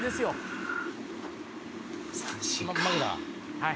はい。